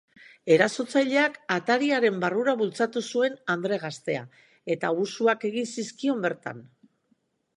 Erasotzaileak atariaren barrura bultzatu zuen andre gaztea, eta abusuak egin zizkion bertan.